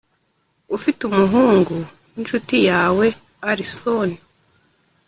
ufite umuhungu w’incuti yawe allison